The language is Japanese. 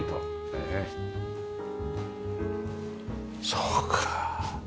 そうかあ。